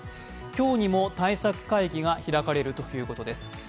今日にも対策会議が開かれるということです。